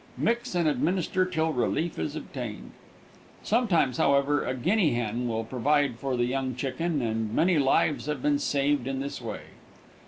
Mix and administer till relief is obtained. Sometimes, however, a guinea hen will provide for the young chicken, and many lives have been saved in this way.